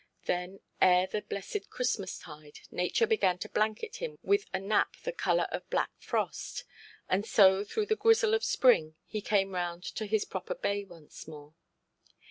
Then ere the blessed Christmas–tide, nature began to blanket him with a nap the colour of black frost; and so through the grizzle of spring he came round to his proper bay once more.